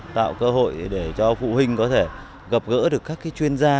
tạo cơ hội để cho phụ huynh có thể gặp gỡ được các chuyên gia